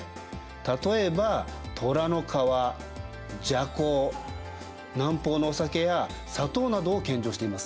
例えばトラの皮麝香南方のお酒や砂糖などを献上しています。